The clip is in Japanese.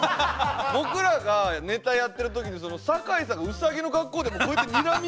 僕らがネタやってる時に酒井さんがウサギの格好でこうやってにらみつけてたんで。